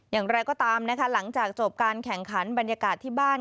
อย่างไรก็ตามนะคะหลังจากจบการแข่งขันบรรยากาศที่บ้าน